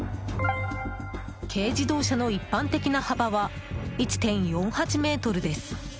軽自動車の一般的な幅は１．４８ｍです。